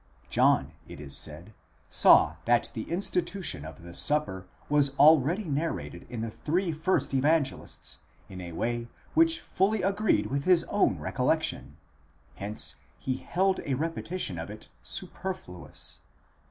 John, it is said, saw that the insti tution of the Supper was already narrated in the three first Evangelists in a way which fully agreed wlth his own recollection; hence he held a repetition of it superfluous.